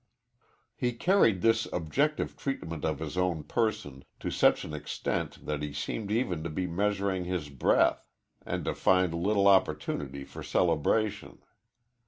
He carried this objective treatment of his own, person to such an extreme that he seemed even to be measuring his breath and to find little opportunity for cerebration.